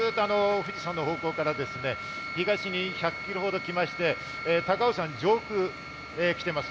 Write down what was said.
富士山の方向から東に１００キロほど来まして、高尾山上空に来ています。